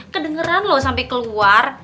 kedengeran loh sampe keluar